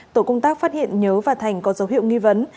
tổ công tác phát hiện nhớ và thành có dấu hiệu nghi vấn